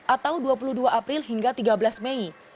atau dua puluh dua april hingga tiga belas mei